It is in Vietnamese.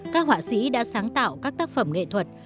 các họa sĩ đã sáng tạo các tác phẩm nghệ thuật